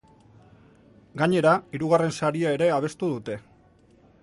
Gainera, hirugarren saria ere abestu dute.